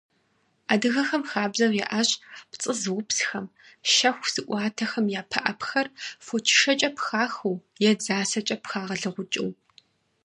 Адыгэхэм хабзэу яӀащ пцӀы зыупсхэм, щэху зыӀуатэхэм я пыӀэпхэр фочышэкӀэ пхахыу е дзасэкӀэ пхагъэлыгъукӀыу.